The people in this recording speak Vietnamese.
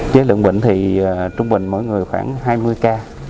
với lượng bệnh thì trung bình mỗi người khoảng hai mươi ca